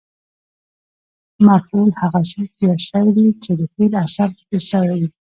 مفعول هغه څوک یا شی دئ، چي د فعل اثر پر سوی يي.